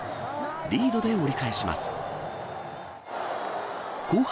リードで折り返します。